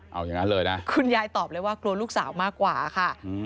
เอาอย่างนั้นเลยนะคุณยายตอบเลยว่ากลัวลูกสาวมากกว่าค่ะ